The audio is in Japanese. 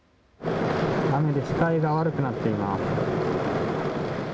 雨で視界が悪くなっています。